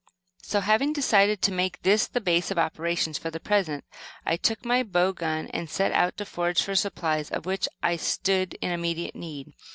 So, having decided to make this the base of operations for the present, I took my bow gun and set out to forage for supplies, of which I stood in immediate need.